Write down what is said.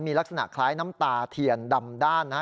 มีลักษณะคล้ายน้ำตาเทียนดำด้านนะฮะ